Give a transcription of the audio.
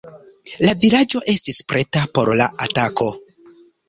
La vilaĝo estis preta por la atako.